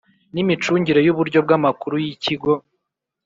N Imicungire Y Uburyo Bw Amakuru Y Ikigo